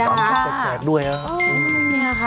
ต้องป้องกันตัวแชกด้วยนะครับ